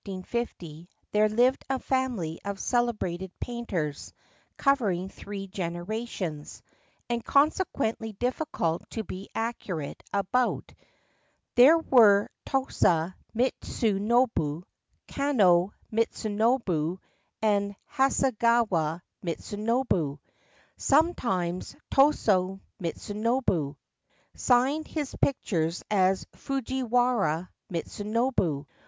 1 Somewhere between the years 1400 and 1550 there lived a family of celebrated painters covering three generations, and consequently difficult to be accurate about. There were Tosa Mitsunobu, Kano Mitsunobu, and Hasegawa Mitsunobu j some times Tosa Mitsunobu signed his pictures as Fujiwara Mitsunobu.